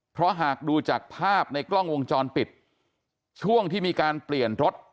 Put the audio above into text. เพราะหากดูจากภาพในกล้องวงจรปิดช่วงที่มีการเปลี่ยนรถ